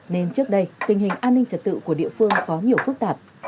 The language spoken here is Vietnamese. nên trước đây tình hình an ninh trật tự của địa phương có nhiều phức tạp